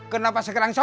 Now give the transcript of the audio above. kenapa sekarang somsu